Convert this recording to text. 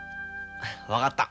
分かった。